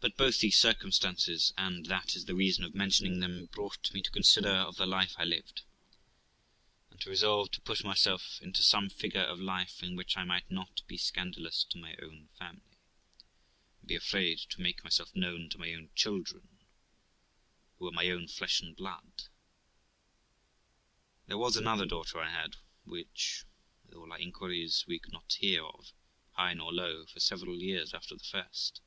But both these circumstances, and that is the reason of mentioning them, brought me to consider of the life I lived, and to resolve to put myself into some figure of life in which I might not be scandalous to my own family, and be afraid to make myself known to my own children, who were my own flesh and blood. There was another daughter I had, which, with all our inquiries, we could not hear of, high nor low, for several years after the first.